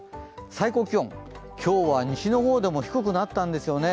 最高気温、今日は西のほうでも低くなったんですよね。